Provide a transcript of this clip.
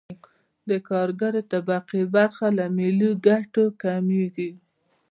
د کارګرې طبقې برخه له ملي ګټو کمېږي